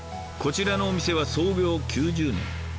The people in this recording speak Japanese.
こちらのお店は創業９０年。